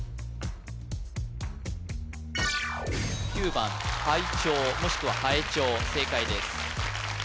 ９番はいちょうもしくははえちょう正解です